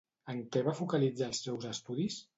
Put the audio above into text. En què va focalitzar els seus estudis?